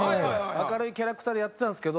明るいキャラクターでやってたんすけど。